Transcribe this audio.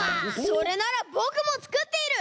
それならぼくもつくっている！